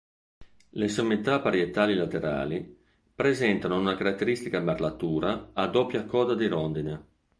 Le sommità parietali laterali presentano una caratteristica merlatura a doppia coda di rondine.